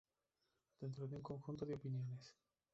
Dentro de un conjunto de opiniones.